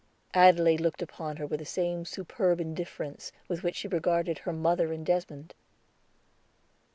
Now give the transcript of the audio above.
Adelaide looked upon her with the same superb indifference with which she regarded her mother and Desmond.